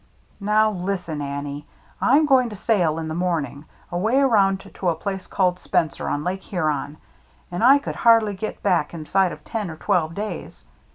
" Now listen, Annie : I'm going to sail in the morning, away around to a place called Spencer, on Lake Huron ; and I could hardly get back inside of ten or twelve days.